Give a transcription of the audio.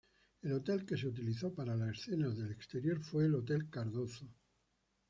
El hotel que se utilizó para las escenas de exterior fue el Hotel Cardozo.